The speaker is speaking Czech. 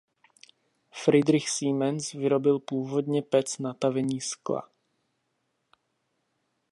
Friedrich Siemens vyrobil původně pec na tavení skla.